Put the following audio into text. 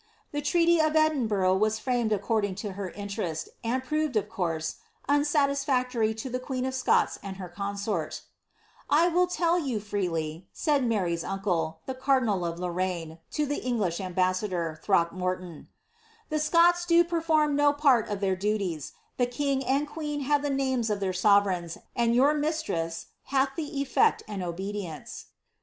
The treaty of Edinburgh was Iramed according to her interest, and proved, of course, nnsatisfactoiT to the queen of Scots and her consort ^ I will tell you freely,^' said Maiyli uncle, the cardinal of Lorraine, to the English ambanador, Throek morton, ^ the Scots do perform no part of their duties ; the kiiy and queen have the names of their sovereigns, and your mistress hath the efl^t and obedience."